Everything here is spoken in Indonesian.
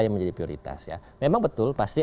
yang menjadi prioritas ya memang betul pasti